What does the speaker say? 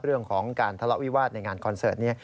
เรื่องของการทะเลาะวิวาสในงานคอนเสิร์ตนี้